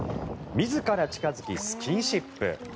自ら近付きスキンシップ。